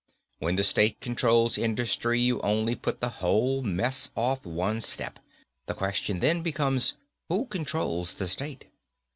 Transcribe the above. When the State controls industry you only put the whole mess off one step, the question then becomes, who controls the State?